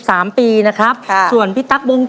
แล้ววันนี้ผมมีสิ่งหนึ่งนะครับเป็นตัวแทนกำลังใจจากผมเล็กน้อยครับ